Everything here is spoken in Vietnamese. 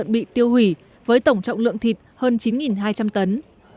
bị tiêu hủy với tổng trọng lượng thịt hơn chín hai trăm linh tấn